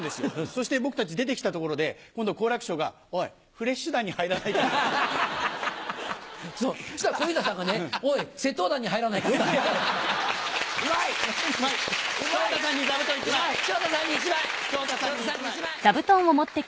そして僕たち出てきたところで、今度好楽師匠がおい、フレッシュ団に入らない？って。